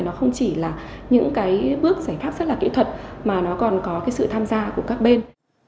nó không chỉ là những cái bước giải pháp rất là kỹ thuật mà nó còn có cái sự tham gia của các bên